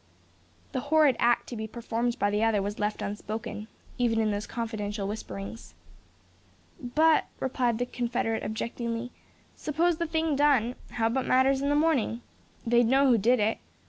The horrid act to be performed by the other was left unspoken, even in those confidential whisperings. "But," replied the confederate, objectingly, "suppose the thing done, how about matters in the morning? They'd know who did it.